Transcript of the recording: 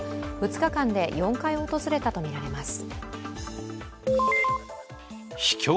２日間で４回訪れたとみられます。